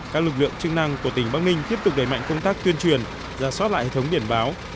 các lực lượng chức năng của tỉnh bắc ninh tiếp tục đẩy mạnh công tác tuyên truyền giả soát lại hệ thống biển báo